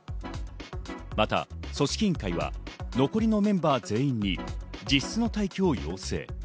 また組織委員会は、残りのメンバー全員に自室の待機を要請。